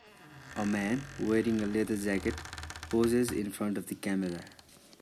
A man wearing a leather jacket poses in front of the camera.